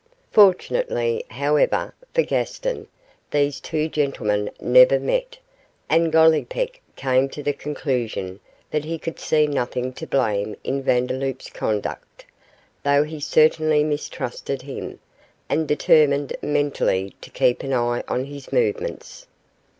Fortunately, however, for Gaston, these two gentlemen never met, and Gollipeck came to the conclusion that he could see nothing to blame in Vandeloup's conduct, though he certainly mistrusted him, and determined mentally to keep an eye on his movements.